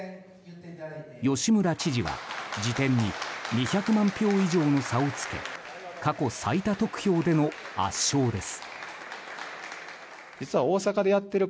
吉村知事は次点に２００万票以上の差をつけ過去最多得票での圧勝です。